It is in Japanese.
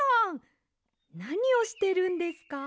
なにをしてるんですか？